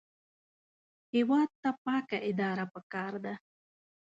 هېواد ته پاکه اداره پکار ده